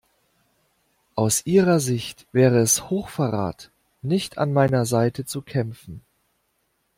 Aus ihrer Sicht wäre es Hochverrat nicht an meiner Seite zu kämpfen.